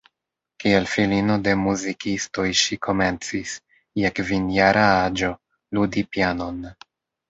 Kiel filino de muzikistoj ŝi komencis, je kvinjara aĝo, ludi pianon.